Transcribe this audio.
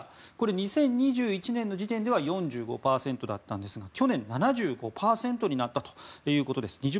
２０２１年時点では４５％だったんですが去年７５％になったということです。